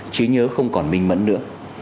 chí nhớ không còn minh mẫn nữa